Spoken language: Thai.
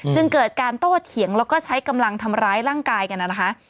จึงเกิดการโต้เถียงแล้วก็ใช้กำลังทำร้ายร่างกายกันนะคะ